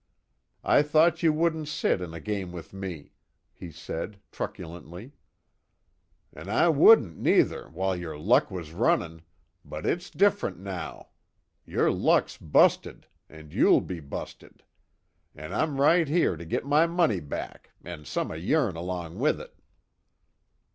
"I thought you wouldn't sit in a game with me," he said, truculently. "An' I wouldn't, neither, while yer luck was runnin' but, it's different, now. Yer luck's busted an' you'll be busted. An' I'm right here to git my money back, an' some of yourn along with it."